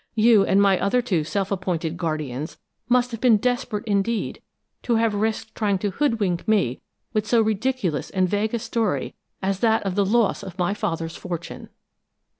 You and my other two self appointed guardians must have been desperate indeed to have risked trying to hoodwink me with so ridiculous and vague a story as that of the loss of my father's fortune!"